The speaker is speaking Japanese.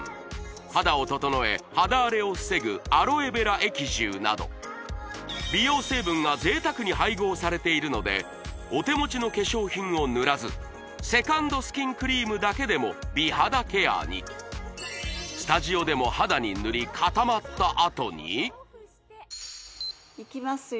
肌を整え肌荒れを防ぐアロエベラ液汁など美容成分が贅沢に配合されているのでお手持ちの化粧品を塗らずセカンドスキンクリームだけでも美肌ケアにスタジオでも肌に塗り固まったあとにいきますよ